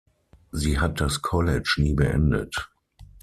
Sie hat das College nie beendet.